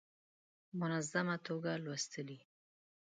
منظمه توګه لوستلې.